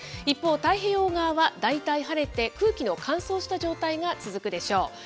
一方、太平洋側は大体晴れて、空気の乾燥した状態が続くでしょう。